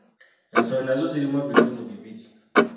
Ensolo nazo zirimu ebitundu bibiri.